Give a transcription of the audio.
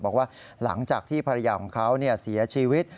บอกว่าหลังจากที่ภรรยาของเขาเสียชีวิต